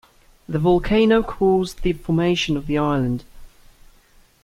The volcano caused the formation of the island.